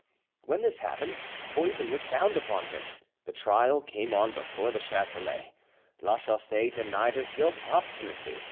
When this happened, poison was found upon him. The trial came on before the Chatelet. Lachaussee denied his guilt obstinately.